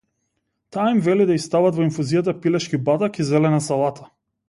Таа им вели да ѝ стават во инфузијата пилешки батак и зелена салата.